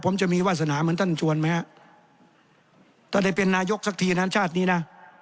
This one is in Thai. ผมจะมีวาสนาเหมือนท่านชวนไหมฮะถ้าได้เป็นนายกสักทีนั้นชาตินี้นะ